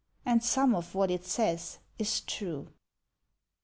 And some of what it says is true.